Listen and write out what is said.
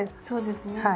そうですね。